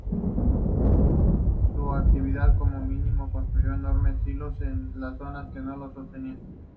En su actividad como ministro construyó enormes silos en zonas que no los tenían.